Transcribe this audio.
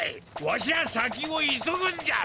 わしゃ先を急ぐんじゃ！